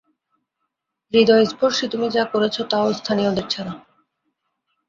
হ্রিদয়স্পর্শি তুমি যা করেছো তাও স্থানীয়দের ছাড়া।